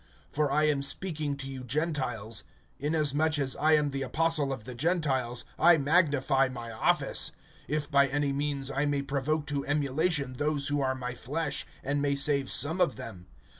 (13)For I am speaking to you Gentiles; inasmuch as I am the apostle of the Gentiles, I magnify my office; (14)if by any means I may provoke to emulation those who are my flesh, and may save some of them.